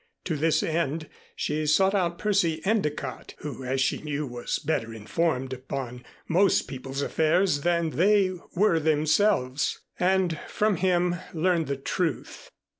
To this end she sought out Percy Endicott, who as she knew was better informed upon most people's affairs than they were themselves, and from him learned the truth.